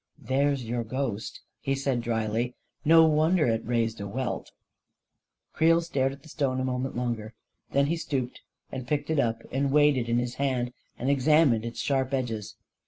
" There's your ghost," he said drily. " No won der it raised a welt !" Creel stared at the stone a moment longer; then he stooped and picked it up and weighed it in his hand, and examined its sharp edges.